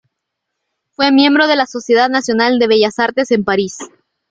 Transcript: Fue miembro de la Sociedad Nacional de Bellas Artes en París.